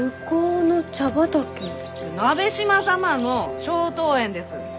鍋島様の松濤園です。